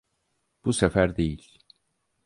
Bu sefer değil.